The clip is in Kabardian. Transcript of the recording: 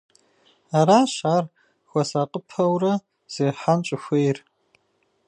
Аращ ар хуэсакъыпэурэ зехьэн щӏыхуейр.